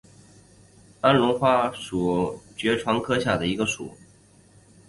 安龙花属是爵床科下的一个属。